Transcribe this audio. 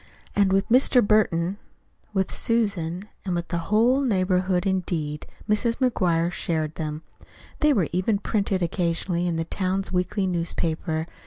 And with Mr. Burton, with Susan, with the whole neighborhood indeed, Mrs. McGuire shared them. They were even printed occasionally in the town's weekly newspaper.